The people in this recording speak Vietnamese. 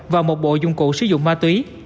và một bộ dung cụ sử dụng ma túy